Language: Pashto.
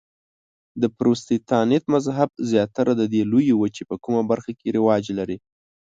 د پروتستانت مذهب زیاتره د دې لویې وچې په کومه برخه کې رواج لري؟